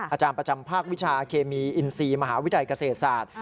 อาจารย์ประจำภาควิชาเคมีอินซีมหาวิทยาลัยเกษตรศาสตร์